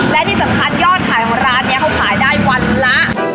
และที่สำคัญยอดขายของร้านนี้เขาขายได้วันละ